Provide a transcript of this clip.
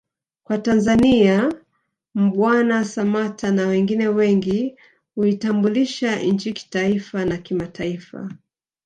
kwa Tanzania Mbwana Samata na wengine wengi uitambulisha nchi kitaifa na kimataifa